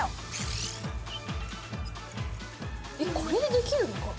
えっこれでできるのかな？